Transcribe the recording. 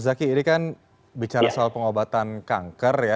zaki ini kan bicara soal pengobatan kanker ya